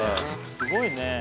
すごいね。